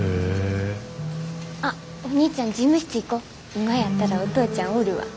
今やったらお父ちゃんおるわ。